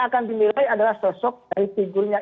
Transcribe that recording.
akan dinilai adalah sosok dari figurnya